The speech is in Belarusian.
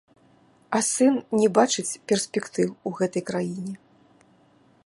А сын не бачыць перспектыў у гэтай краіне.